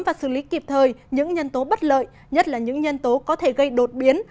và xử lý kịp thời những nhân tố bất lợi nhất là những nhân tố có thể gây đột biến